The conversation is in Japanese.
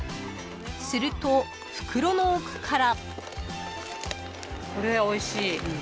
［すると袋の奥から］